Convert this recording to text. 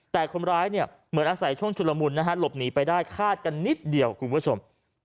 แต่คนร้ายเนี่ยเหมือนอาศัยช่วงชุลมุนนะฮะหลบหนีไปได้คาดกันนิดเดียวคุณผู้ชม